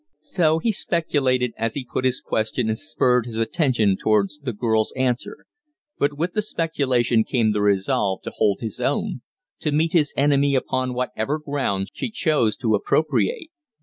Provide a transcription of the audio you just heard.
So he speculated as he put his question and spurred his attention towards the girl's answer; but with the speculation came the resolve to hold his own to meet his enemy upon whatever ground she chose to appropriate.